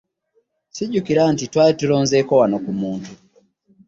Ssijjukira nti twali tulonzeeko wano ku muntu.